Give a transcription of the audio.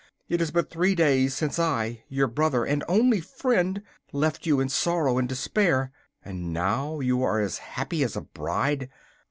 It is but three days since I, your brother and only friend, left you, in sorrow and despair. And now you are as happy as a bride.